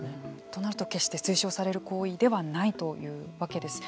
となると、決して推奨される行為ではないというわけです。